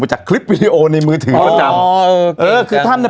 มาจากคลิปวิดีโอนในมือถือเข้าจำอ๋อครับท่านน่ะ